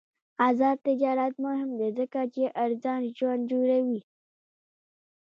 آزاد تجارت مهم دی ځکه چې ارزان ژوند جوړوي.